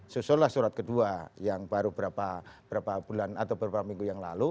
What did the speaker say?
susullah surat kedua yang baru beberapa bulan atau beberapa minggu yang lalu